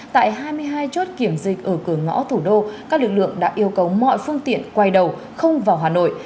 tại hai mươi hai chốt kiểm dịch ở cửa ngõ thủ đô các lực lượng đã yêu cầu mọi phương tiện quay đầu không vào hà nội